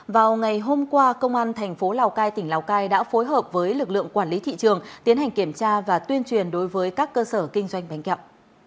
vào ngày hôm qua công an thành phố lào cai tỉnh lào cai đã phối hợp với lực lượng quản lý thị trường tiến hành kiểm tra và tuyên truyền đối với các cơ sở kinh doanh bánh kẹo